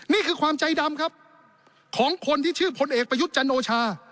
นี่คือความใจดำครับของคนที่ชื่อพลเอกประยุทธ์จันโอชา